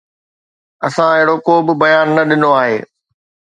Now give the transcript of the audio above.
اسان اهڙو ڪو به بيان نه ڏنو آهي